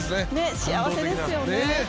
幸せですよね。